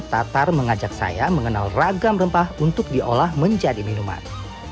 tatar mengajak saya mengenal ragam rempah untuk diolah menjadi minuman